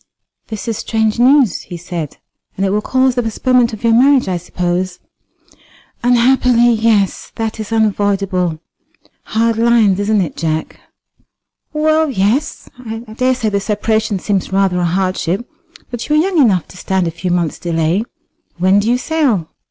"This is strange news," he said, "and it will cause the postponement of your marriage, I suppose?" "Unhappily, yes; that is unavoidable. Hard lines, isn't it, Jack?" "Well, yes; I daresay the separation seems rather a hardship; but you are young enough to stand a few months' delay. When do you sail?"